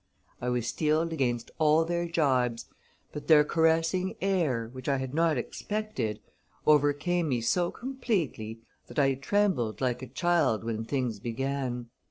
I was steeled against all their gibes, but their caressing air, which I had not expected, overcame me so completely, that I trembled like a child when things began.